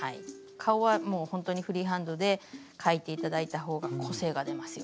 顔はもうほんとにフリーハンドで描いて頂いたほうが個性が出ますよ。